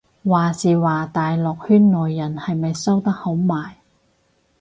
話時話大陸圈內人係咪收得好埋